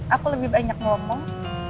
aku lebih banyak ngomong